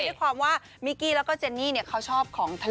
ด้วยความว่ามิกกี้แล้วก็เจนนี่เขาชอบของทะเล